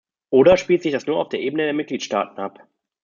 Oder spielt sich das nur auf der Ebene der Mitgliedstaaten ab?